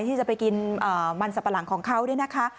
ที่จะไปกินมันสับปะหลังของเขาเนี่ยนะคะ